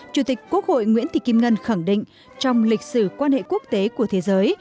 chủ tịch quốc hội nguyễn thị kim ngân khẳng định trong lịch sử quan hệ quốc tế của thế giới